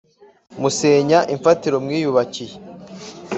musenya imfatiro mwiyubakiye